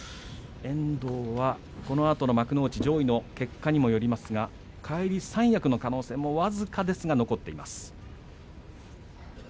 遠藤はこのあと幕内上位の結果にもよりますが返り三役の可能性も僅かですが残っています。